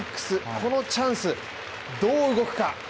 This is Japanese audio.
このチャンスをどう動くか。